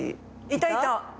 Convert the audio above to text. いたいた。